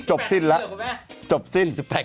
จบสิ้นแล้ว